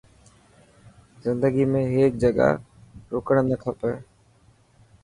زندگي ۾ هيڪ جڳهه رڪرڻ نه کپي.